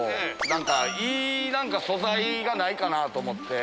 何かいい素材がないかなと思って。